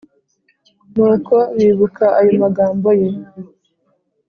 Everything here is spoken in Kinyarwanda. Nuko bibuka ayo magambo ye